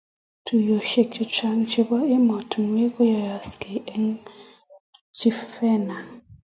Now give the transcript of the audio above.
tuiyosiek chechang chebo emotinwek koyookisot eng Geneva